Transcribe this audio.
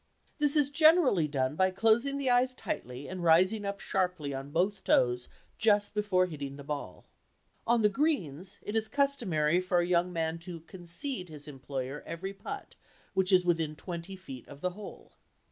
This is generally done by closing the eyes tightly and rising up sharply on both toes just before hitting the ball. On the "greens" it is customary for a young man to "concede" his employer every "putt" which is within twenty feet of the hole.